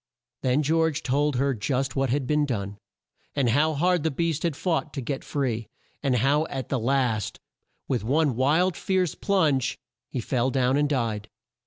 Then George told her just what had been done, and how hard the beast had fought to get free, and how at the last, with one wild fierce plunge, he fell down and died.